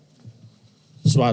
dan kedua adalah